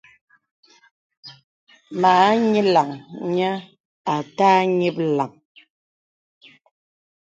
Mâ ǹyilaŋ nyə̀ à tâ ǹyìplàŋ.